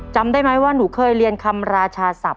จำได้ไหมว่าหนูเคยเรียนคำราชาศัพท